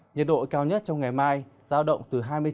nhiệt độ cao nhất trong ngày mai giao động từ hai mươi chín